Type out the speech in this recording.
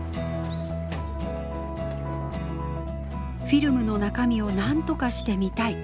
フィルムの中身をなんとかして見たい。